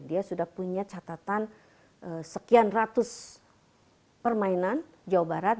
dia sudah punya catatan sekian ratus permainan jawa barat